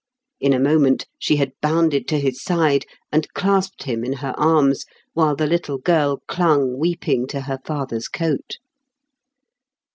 In a moment she had bounded to his side, and clasped him in her arms, while the little girl clung, weeping, to her father's coat.